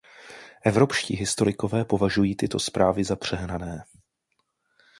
Evropští historikové považují tyto zprávy za přehnané.